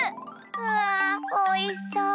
わあおいしそう。